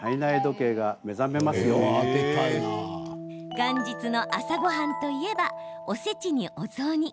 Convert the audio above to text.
元日の朝ごはんといえばおせちにお雑煮。